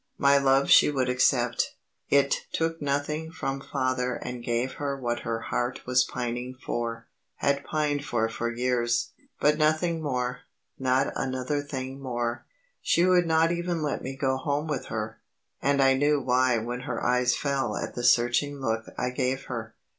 My love she would accept. It took nothing from Father and gave her what her heart was pining for had pined for for years. But nothing more not another thing more. She would not even let me go home with her; and I knew why when her eyes fell at the searching look I gave her.